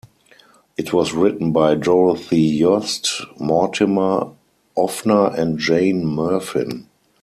It was written by Dorothy Yost, Mortimer Offner and Jane Murfin.